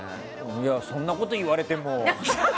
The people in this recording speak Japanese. いや、そんなこと言われても。